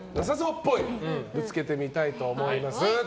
ぶつけてみたいと思います。